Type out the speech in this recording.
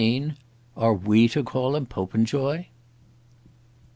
"ARE WE TO CALL HIM POPENJOY?"